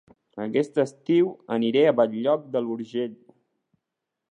Aquest estiu aniré a Bell-lloc d'Urgell